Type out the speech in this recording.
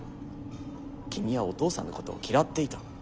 君はお父さんのことを嫌っていた。